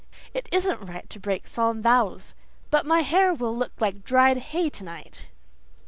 It isn't right to break solemn vows. But my hair will look like dried hay tonight."